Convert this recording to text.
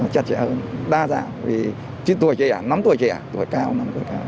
trật trẻ hơn đa dạng vì tuổi trẻ nắm tuổi trẻ tuổi cao nắm tuổi cao